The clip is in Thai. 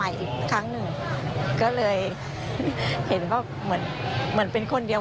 ตามที่ตำรวจจับได้นี่นะใช้เวลานานไหม